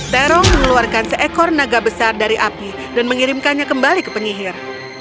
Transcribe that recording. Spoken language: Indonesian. terong mengeluarkan seekor naga besar dari api dan mengirimkannya kembali ke penyihir